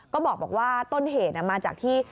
ก็บอกว่าต้นเหตุมาจากที่